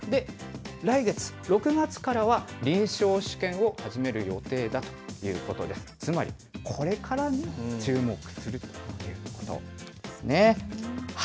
来月・６月からは臨床試験を始める予定だということで、つまりこれからに注目するということですね。